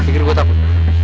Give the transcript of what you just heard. kira gue takut